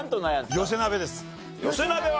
寄せ鍋は？